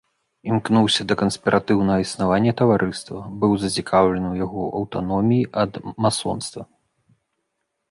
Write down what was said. Імкнуўся да канспіратыўнага існавання таварыства, быў зацікаўлены ў яго аўтаноміі ад масонства.